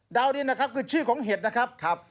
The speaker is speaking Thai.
นี้นะครับคือชื่อของเห็ดนะครับ